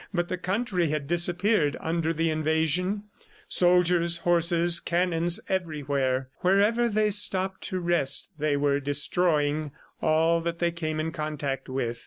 But the country had disappeared under the invasion soldier's, horses, cannons everywhere. Wherever they stopped to rest, they were destroying all that they came in contact with.